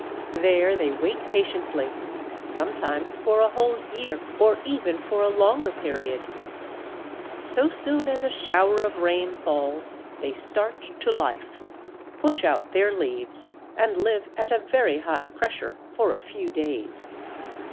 There they wait patiently, sometimes for a whole year or even for a longer period. So soon as a shower of rain falls they start to life, push out their leaves, and live at very high pressure for a few days.